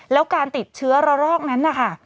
แล้วการติดเชื้อระรอกนั้นนะคะ